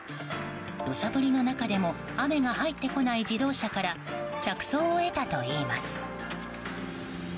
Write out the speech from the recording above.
土砂降りの中でも雨が入ってこない自動車から着想を得たといいます。